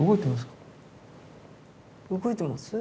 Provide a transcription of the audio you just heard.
動いてますか？